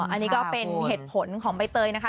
อันนี้ก็เป็นเหตุผลของใบเตยนะคะ